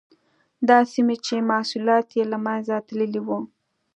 دا سیمې چې محصولات یې له منځه تللي وو.